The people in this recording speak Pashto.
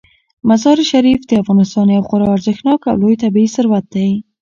مزارشریف د افغانستان یو خورا ارزښتناک او لوی طبعي ثروت دی.